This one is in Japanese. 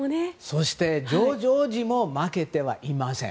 そしてジョージ王子も負けてはいません。